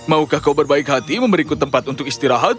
maukah kau berbaik hati memberiku tempat untuk istirahat